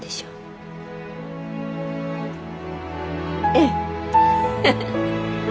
ええ。